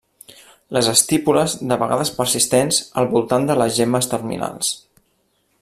Les estípules de vegades persistents al voltant de les gemmes terminals.